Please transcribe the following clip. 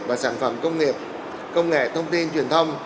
và sản phẩm công nghiệp công nghệ thông tin truyền thông